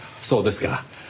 そうですか。